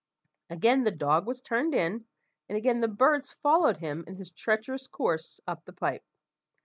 Again the dog was turned in, and again the birds followed him in his treacherous course up the pipe.